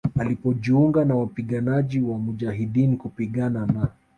alipojiunga na wapiganaji wa mujahideen kupigana na